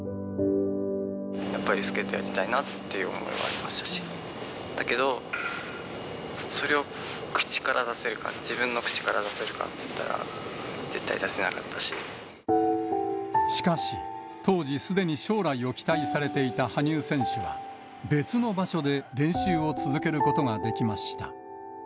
やっぱりスケートやりたいなっていう思いはありましたし、だけど、それを口から出せるか、自分の口から出せるかっていったら、しかし、当時、すでに将来を期待されていた羽生選手は、別の場所で練習を続けることができました。